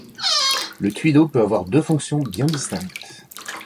Le tuileau peut avoir deux fonctions bien distinctes.